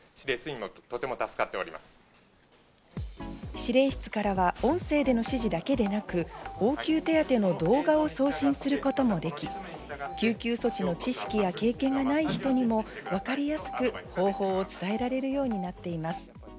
指令室からは、音声での指示だけでなく、応急手当の動画を送信することもでき、救急措置の知識や経験がない人にもわかりやすく方法を伝えられるようになっています。